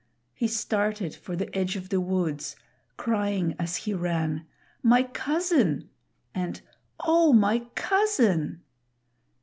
He started for the edge of the woods, crying as he ran, "My cousin!" and "Oh, my cousin!"